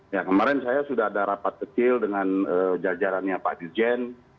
ya kemarin saya sudah ada rapat kecil dengan jajarannya pak dirjen